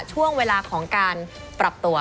ช่วงเวลาของการปรับตัว